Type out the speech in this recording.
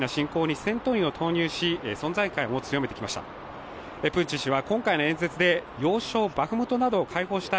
ウクライナ侵攻に戦闘員を投入し、存在感を強めてきました。